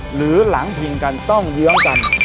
หรือหลังพิงกันต้องเยื้องกัน